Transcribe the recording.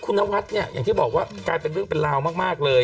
คุณนวัดเนี่ยอย่างที่บอกว่ากลายเป็นเรื่องเป็นราวมากเลย